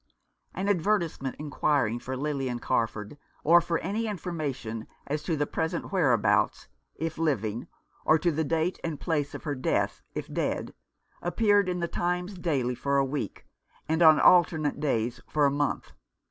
An advertisement inquiring for Lilian Carford, or for any information as to the present where abouts, if living, or the date and place of her death if dead, appeared in the Times daily for a week, and on alternate days for a 'month.